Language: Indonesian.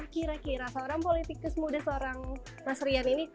kira kira seorang politikus muda seorang mas rian ini